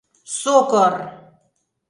Сокыр!